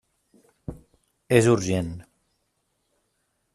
És urgent.